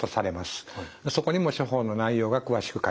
そこにも処方の内容が詳しく書いてあります。